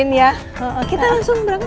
dadah oma jangan